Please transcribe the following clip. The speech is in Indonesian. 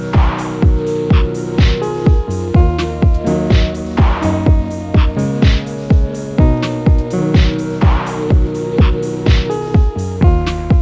badai regiment suhaiman